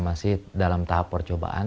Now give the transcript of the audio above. masih dalam tahap percobaan